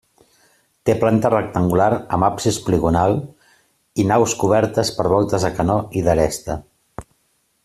Té planta rectangular amb absis poligonal i naus cobertes per voltes de canó i d'aresta.